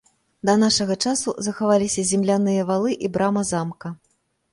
Да нашага часу захаваліся земляныя валы і брама замка.